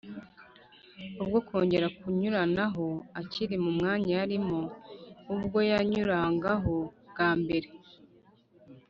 Ubwo kongera kunyuranaho akiri mu mwanya yarimo ubwo yanyurangaho bwambere